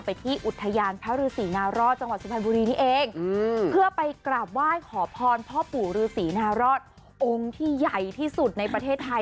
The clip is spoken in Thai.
เพื่อไปกราบไหว้ขอพรพ่อปู่รือศรีนารอดองค์ที่ใหญ่ที่สุดในประเทศไทย